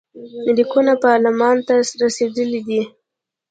لیکونه پارلمان ته رسېدلي دي.